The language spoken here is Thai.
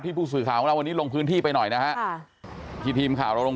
ที่ผู้สื่อข่าววันนี้ลงพื้นที่ไปหน่อยนะฮะทีมข่าวลง